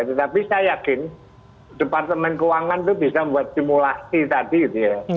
tetapi saya yakin departemen keuangan itu bisa membuat simulasi tadi gitu ya